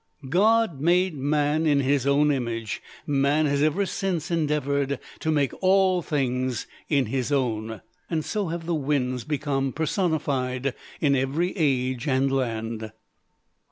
God made man in his own image; man has ever since endeavored to make all things in his own. So have the winds become personified in every age and land.